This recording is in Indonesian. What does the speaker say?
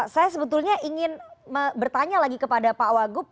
saya sebetulnya ingin bertanya lagi kepada pak wagub